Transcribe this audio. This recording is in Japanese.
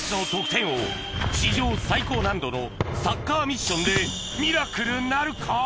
史上最高難度のサッカーミッションでミラクルなるか？